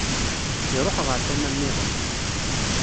Iruḥ ɣer tama-nniḍen.